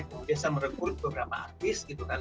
kemudian saya merebut beberapa artis gitu kan